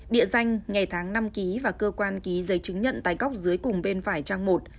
địa danh ngày tháng năm ký và cơ quan ký giấy chứng nhận tái cóc dưới cùng bên phải trang một